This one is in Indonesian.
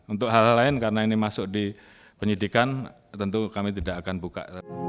untuk hal lain karena ini masuk di penyidikan tentu kami tidak akan buka